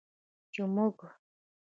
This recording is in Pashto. چې موږ